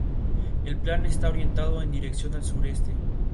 Lynch es un primo segundo de los artistas Derek y Julianne Hough.